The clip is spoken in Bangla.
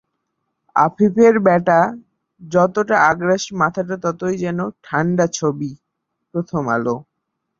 আফিফের ব্যাটে যতটা আগ্রাসী, মাথাটা ততটাই যেন ঠান্ডা ছবি: প্রথম আলো